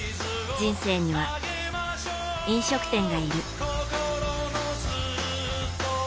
人生には、飲食店がいる。